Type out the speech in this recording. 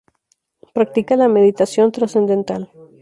Practica la meditación trascendental.